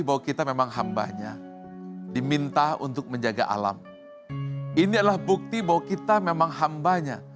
bahwa kita memang hambanya diminta untuk menjaga alam ini adalah bukti bahwa kita memang hambanya